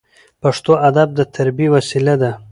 پښتو ادب د تربیې وسیله ده.